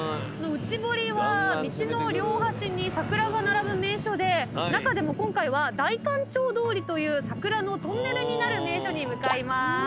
内堀は道の両端に桜が並ぶ名所で中でも今回は代官町通りという桜のトンネルになる名所に向かいます。